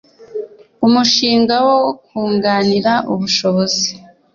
Umushinga wo kunganira ubushobozi